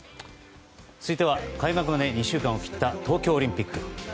続いては開幕まで２週間を切った東京オリンピック。